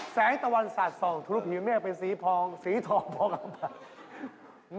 แสงตะวันสัดส่องทุกผิวแม่เป็นสีพองสีทองพออัพพันธาตุ